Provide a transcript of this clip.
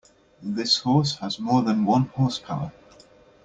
This horse has more than one horse power.